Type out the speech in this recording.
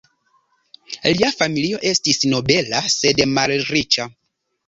Lia familio estis nobela sed malriĉa.